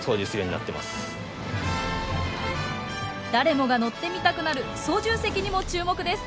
誰もが乗ってみたくなる操縦席にも注目です。